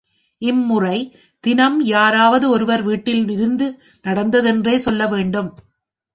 இம்முறை தினம் யாராவது ஒருவர் வீட்டில் விருந்து நடந்ததென்றே சொல்ல வேண்டும்.